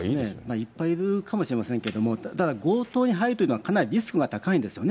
いっぱいいるかもしれませんけれども、ただ、強盗に入るというのは、かなりリスクが高いですよね。